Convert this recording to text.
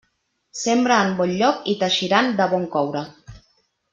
Sembra en bon lloc i t'eixiran de bon coure.